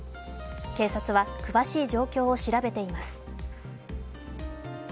警察は詳しい状況を調べています。